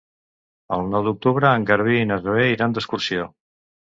El nou d'octubre en Garbí i na Zoè iran d'excursió.